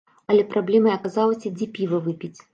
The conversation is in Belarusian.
Але праблемай аказалася, дзе піва выпіць.